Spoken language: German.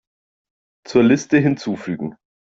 Zur Liste hinzufügen.